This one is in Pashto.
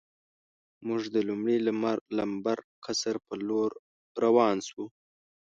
موږ د لومړي لمبر قصر په لور روان شو.